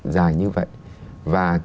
dài như vậy và